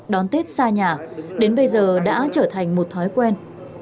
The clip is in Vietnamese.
đón tết xa nhà đến bây giờ đã trở thành một thói quen